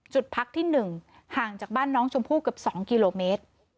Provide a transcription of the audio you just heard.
จุดพักที่๑ห่างจากบ้านน้องชมพู่เกือบ๒กิโลเมตร